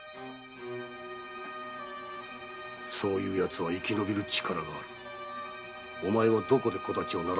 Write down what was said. そういうヤツは生きのびる力があるお前はどこで小太刀を習ったのだ。